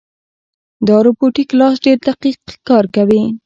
دا روبوټیک لاس ډېر دقیق کار کوي.